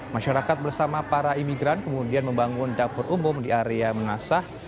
masyarakat bersama para imigran kemudian membangun dapur umum di area mengasah